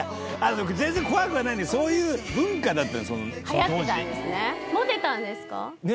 全然怖くはないそういう文化だった当時。